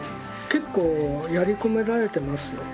結構やり込められてますよ。